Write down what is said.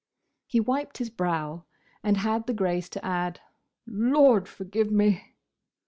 He wiped his brow, and had the grace to add "Lord, forgive me!"